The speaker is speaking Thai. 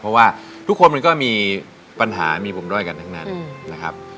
เพราะว่าทุกคนมันก็มีปัญหามีผมด้วยกันทั้งนั้นนะครับ